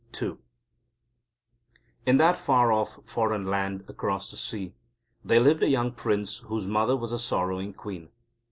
II In that far off foreign land across the sea, there lived a young Prince whose mother was a sorrowing queen.